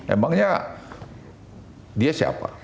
emangnya dia siapa